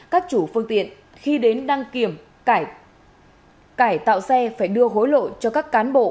các chủ phương tiện khi đến đăng kiểm cải tạo xe phải đưa hối lộ cho các cán bộ